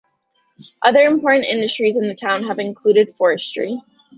Other important industries in the town have included forestry.